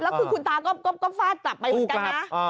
แล้วคุณตาก็ฟาดกับไปกันนะ